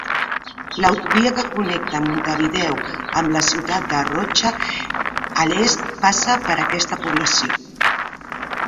L'autovia que connecta Montevideo amb la ciutat de Rocha, a l'est, passa per aquesta població.